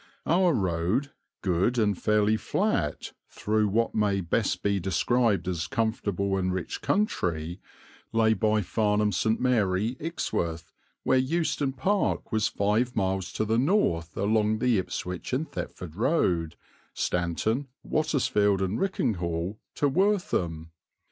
Our road, good and fairly flat, through what may best be described as comfortable and rich country, lay by Farnham St. Mary, Ixworth, where Euston Park was five miles to the north along the Ipswich and Thetford Road, Stanton, Wattisfield, and Richinghall to Wortham.